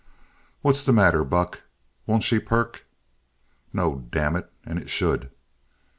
"What's the matter, Buck, won't she perk?" "No, damn it, and it should."